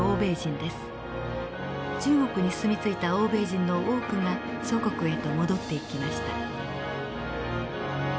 中国に住みついた欧米人の多くが祖国へと戻っていきました。